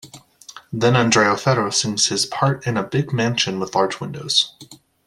Then Andrea Ferro sings his part in a big mansion with large windows.